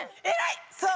そう！